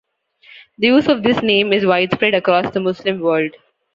The use of this name is widespread across the Muslim world.